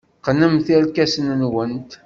Qqnemt irkasen-nwent.